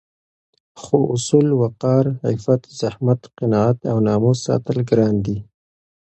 خو اصول، وقار، عفت، زحمت، قناعت او ناموس ساتل ګران دي